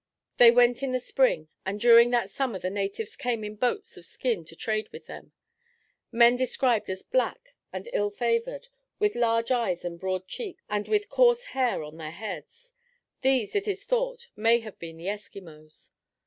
They went in the spring, and during that summer the natives came in boats of skin to trade with them men described as black, and ill favored, with large eyes and broad cheeks and with coarse hair on their heads. These, it is thought, may have been the Esquimaux.